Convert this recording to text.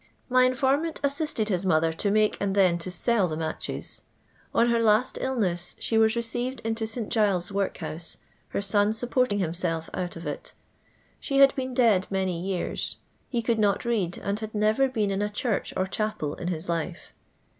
My informant assisted his mother tu nudce and then to sell tliclfuatches. On her last illness she was received into St. Giles's workhouse, her son supporting himself out of it ; she had been dead many years. lie could not read, and had never been in a church or chapel in his life.